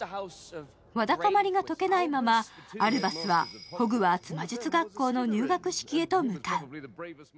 わだかまりが解けないまま、アルバスはホグワーツ魔術学校の入学式へと向かう。